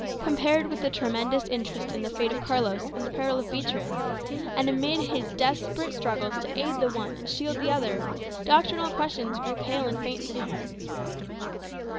Compared with the tremendous interest of the fate of Carlos and the peril of Beatriz, and amidst his desperate struggles to aid the one and shield the other, doctrinal questions grew pale and faint to him.